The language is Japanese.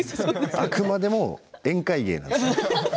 あくまでも宴会芸なんですよ。